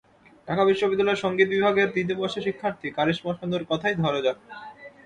ঢাকা বিশ্ববিদ্যালয়ের সংগীত বিভাগের তৃতীয় বর্ষের শিক্ষার্থী কারিশমা শানুর কথাই ধার যাক।